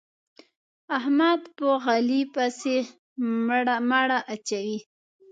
احمد په علي پسې مړه اچوي.